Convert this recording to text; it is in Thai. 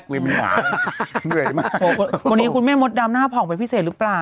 วันนี้คุณแม่มดดำหน้าผ่อนไปพิเศษหรือเปล่า